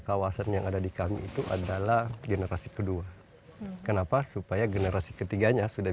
kawasan yang ada di kami itu adalah generasi kedua kenapa supaya generasi ketiganya sudah